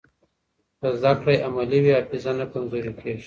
که زده کړه عملي وي، حافظه نه کمزورې کېږي.